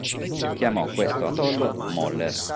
Chiamò questo atollo "Moller".